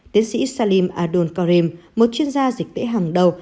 tiến sĩ salim adol karim một chuyên gia dịch vệ hàng đầu